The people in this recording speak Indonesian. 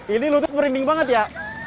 ini lutut merinding banget ya